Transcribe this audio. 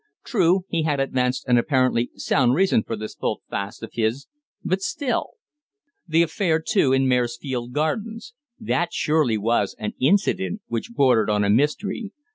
True, he had advanced an apparently sound reason for this volte face of his, but still The affair, too, in Maresfield Gardens. That surely was an "incident" which bordered on a mystery.